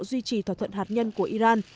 duy trì thỏa thuận hạt nhân của iran